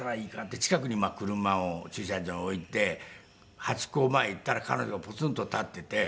近くに車を駐車場に置いてハチ公前に行ったら彼女がポツンと立っていて。